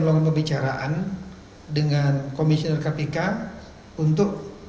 melakukan pembicaraan dengan komisioner kpk untuk mendampingi tim dari puri dan juga komisioner dari